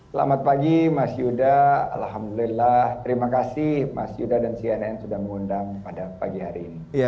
selamat pagi mas yuda alhamdulillah terima kasih mas yuda dan cnn sudah mengundang pada pagi hari ini